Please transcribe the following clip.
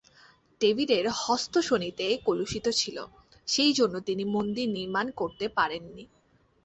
ডেভিডের হস্ত শোণিতে কলুষিত ছিল, সেই জন্য তিনি মন্দির নির্মাণ করতে পারেননি।